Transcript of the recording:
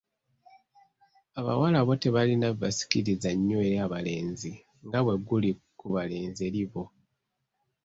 Abawala bo tebalina bibasikiriza nnyo eri abalenzi nga bwe guli ku balenzi eri bo.